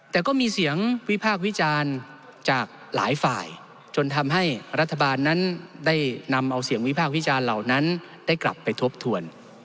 แต่ก็มีเสียงวิพากษ์วิจารณ์จากหลายฝ่ายจนทำให้รัฐบาลนั้นได้นำเอาเสียงวิพากษ์วิจารณ์เหล่านั้นได้กลับไปทบทวน